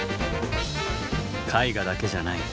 絵画だけじゃない。